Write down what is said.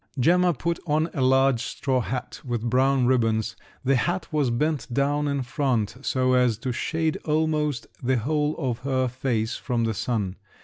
Gemma put on a large straw hat with brown ribbons; the hat was bent down in front, so as to shade almost the whole of her face from the sun.